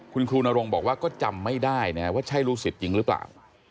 คุณครูนรงค์บอกว่าก็จำไม่ได้นะว่าใช่ลูกศิษย์จริงหรือเปล่า